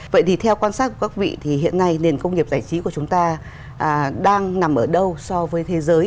vậy thì theo quan sát của các vị thì hiện nay nền công nghiệp giải trí của chúng ta đang nằm ở đâu so với thế giới